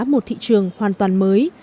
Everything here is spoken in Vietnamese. một thị trường hoàn toàn mới